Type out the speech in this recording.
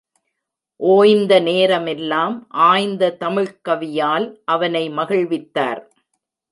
ஓய்ந்த நேரமெல்லாம் ஆய்ந்த தமிழ்க்கவியால் அவனை மகிழ்வித்தார்.